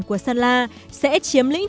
của sơn la sẽ chiếm lĩnh